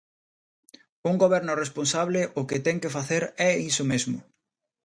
Un goberno responsable o que ten que facer é iso mesmo.